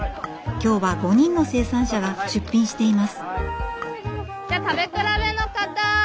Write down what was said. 今日は５人の生産者が出品しています。